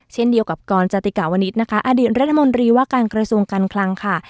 เช่นเดียวกับกรจติกาวนิษฐ์นะคะอดีตรัฐมนตรีว่าการกระทรวงการคลังค่ะ